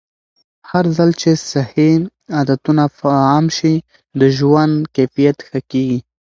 هرځل چې صحي عادتونه عام شي، د ژوند کیفیت ښه کېږي.